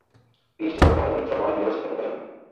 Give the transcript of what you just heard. PhD করার পরে Mitra Cornell ইউনিভার্সিটিতে পড়তে যান।